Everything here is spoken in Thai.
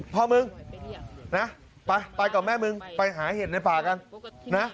พ่อมึงไปกับแม่มึงไปหาเหตุในฝากัน